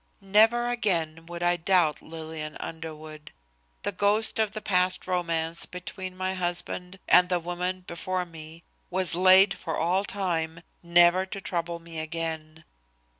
Never again would I doubt Lillian Underwood. The ghost of the past romance between my husband and the woman before me was laid for all time, never to trouble me again.